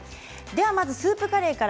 まずスープカレーから